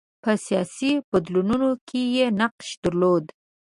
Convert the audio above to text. په سیاسي بدلونونو کې یې نقش درلود.